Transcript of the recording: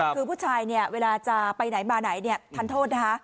คือผู้ชายเนี่ยเวลาจะไปไหนมาไหนเนี่ยทันโทษนะคะ